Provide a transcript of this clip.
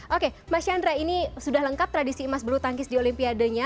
oke mas chandra ini sudah lengkap tradisi emas bulu tangkis di olimpiadenya